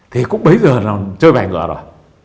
thì cũng bấy giờ là chơi bài ngựa rồi